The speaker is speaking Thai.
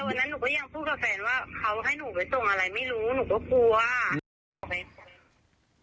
วันนั้นหนูก็ยังพูดกับแฟนว่าเขาให้หนูไปส่งอะไรไม่รู้หนูก็กลัวไง